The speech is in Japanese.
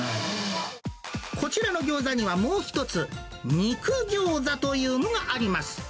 こちらのギョーザにはもう一つ、肉餃子というのがあります。